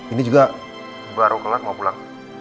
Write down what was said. ini juga baru kelar mau pulang